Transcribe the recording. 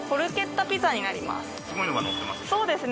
すごいのがのってますね。